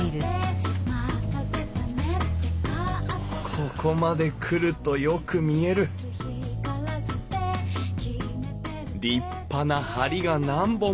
ここまで来るとよく見える立派な梁が何本も。